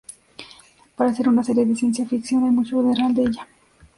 Para ser una serie de ciencia ficción, hay mucho de real en ella"".